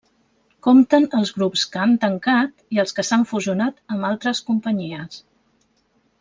Compten els grups que han tancat i els que s'han fusionat amb altres companyies.